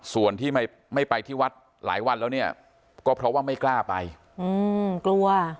ส่วนที่ไม่ไปที่วัดหลายวันแล้วเนี่ยก็เพราะว่าไม่กล้าไปอืมกลัว